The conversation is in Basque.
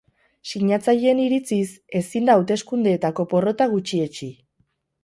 Sinatzaileen iritziz, ezin da hauteskundeetako porrota gutxietsi.